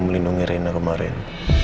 melindungi reina kemarin